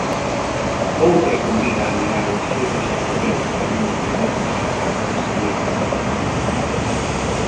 Outra convida a mirar aos ollos á muller que camiña quilómetros para conseguir auga.